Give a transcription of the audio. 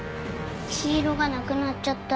黄色がなくなっちゃった。